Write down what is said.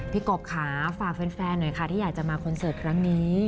กบค่ะฝากแฟนหน่อยค่ะที่อยากจะมาคอนเสิร์ตครั้งนี้